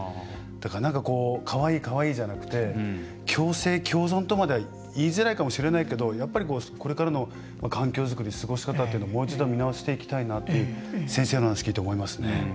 だからかわいい、かわいいじゃなくて共生共存とまでは言いづらいかもしれないけれどもやっぱり、これからの環境作り過ごしかたをもう一度見直していきたいなって先生の話聞いて思いますね。